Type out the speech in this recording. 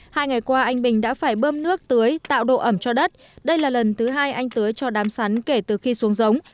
hai ngày qua anh bình đã phải bơm nước tưới tạo độ ẩm cho đất đây là lần thứ hai anh tưới cho đám sắn kể từ khi xuống giống